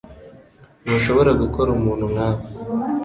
Ntushobora gukora umuntu nkawe